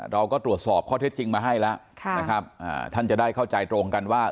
เราก็ตรวจสอบข้อเท็จจริงมาให้แล้วนะครับท่านจะได้เข้าใจตรงกันว่า